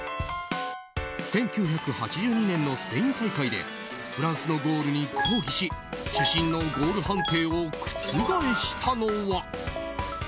１９８２年のスペイン大会でフランスのゴールに抗議し主審のゴール判定を覆したのは。